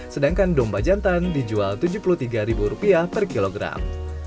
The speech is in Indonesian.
sedangkan domba jantan dijual tujuh puluh tiga ribu rupiah per kilogram